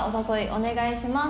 お願いします。